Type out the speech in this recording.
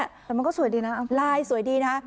แต่มันก็สวยดีนะลายสวยดีนะ